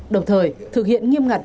đồng thời thực hiện nghiêm ngặt